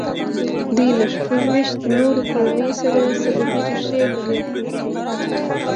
دوی له شپږ ویشت نورو کورنیو سره سببي رشتې لري.